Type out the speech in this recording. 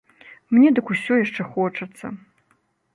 Мне дык усё яшчэ хочацца.